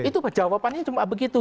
itu jawabannya cuma begitu